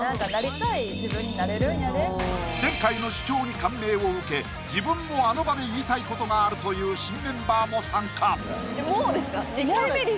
前回の主張に感銘を受け自分もあの場で言いたいことがあるという新メンバーも参加！